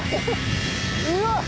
うわっ！